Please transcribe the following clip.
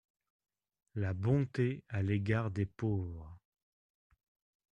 La bonté à l’égard des pauvres.